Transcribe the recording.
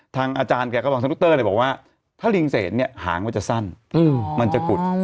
ทางอาจารย์แกก็บอกว่าถ้าลิงเสนเนี่ยหางว่าจะสั้นมันจะกุด